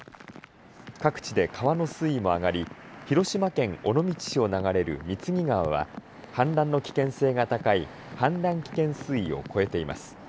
各地で川の水位も上がり広島県尾道市を流れる御調川は氾濫の危険性が高い氾濫危険水位を超えています。